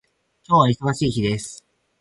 今日は忙しい日です。